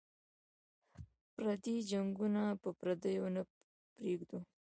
پردي جنګونه به پردیو ته پرېږدو.